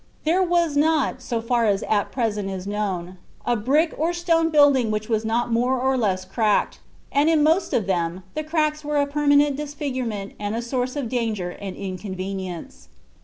There was not, so far as at present is known, a brick or stone building which was not more or less cracked, and in most of them the cracks were a permanent disfigurement and a source of danger and inconvenience."